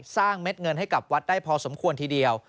เม็ดเงินให้กับวัดได้พอสมควรทีเดียว